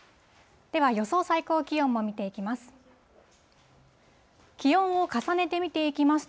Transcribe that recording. では、予想最高気温も見ていきます。